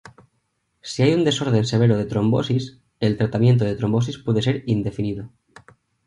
Si hay un desorden severo de trombosis, el tratamiento de trombosis puede ser indefinido.